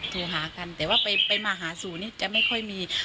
โทรหากันแต่ว่าไปมาหาสู่นี่จะไม่ค่อยมี